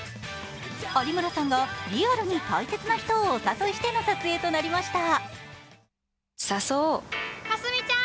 有村さんがリアルに大切な人をお誘いしての撮影となりました。